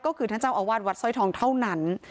ก็คือท่านเจ้าอาวาสวัดสร้อยทองเท่านั้น